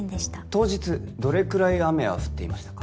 当日どれくらい雨は降っていましたか？